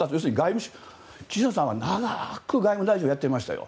岸田さんは長く外務大臣をやっていましたよ